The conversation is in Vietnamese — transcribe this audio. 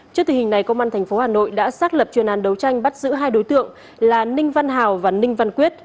trước tình hình này công an tp hà nội đã xác lập chuyên án đấu tranh bắt giữ hai đối tượng là ninh văn hào và ninh văn quyết